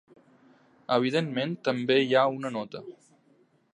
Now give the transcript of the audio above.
Evidentment també hi ha una nota.